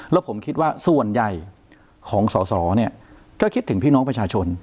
แล้วผมคิดว่าส่วนใหญ่ของสอสอเนี่ยก็คิดถึงพี่น้องประชาชน